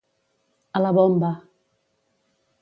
A la bomba.